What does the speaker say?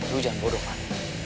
jangan bodoh van